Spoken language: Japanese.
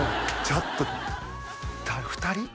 ちょっと２人？